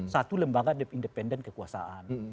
satu lembaga independen kekuasaan